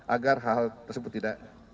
agar hal hal tersebut tidak terjadi